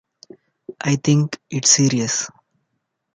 I think it’s serious.